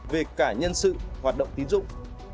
về cả nhân sự hoạt động tín dụng